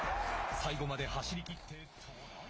最後まで走り切ってトライ。